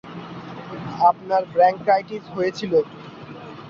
আপনার ব্রঙ্কাইটিস হয়েছিল।